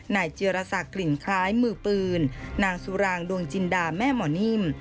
เจียรสักกลิ่นคล้ายมือปืนนางสุรางดวงจินดาแม่หมอนิ่ม